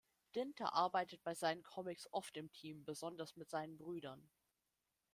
Dinter arbeitet bei seinen Comics oft im Team, besonders mit seinen Brüdern.